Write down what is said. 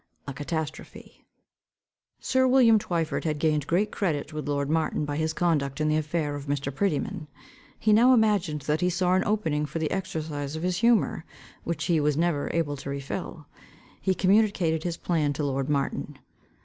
A Catastrophe. Sir William Twyford had gained great credit with lord Martin by his conduct in the affair of Mr. Prettyman. He now imagined that he saw an opening for the exercise of his humour, which he was never able to refill. He communicated his plan to lord Martin.